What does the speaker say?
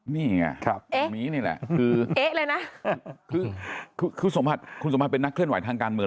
นี่ไงนี่แหละคือคุณสมบัติเป็นนักเคลื่อนไหวทางการเมือง